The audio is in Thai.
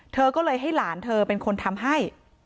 เธอก็เลยให้หลานเธอเป็นคนทำให้